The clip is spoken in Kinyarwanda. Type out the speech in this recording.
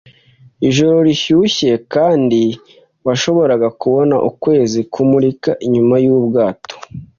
ijoro rishyushye, kandi washoboraga kubona ukwezi kumurika inyuma yubwato.